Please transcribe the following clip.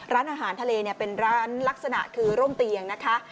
ร้านอาหารทะเลเป็นร้านลักษณะคือร่มเตียงนะคะ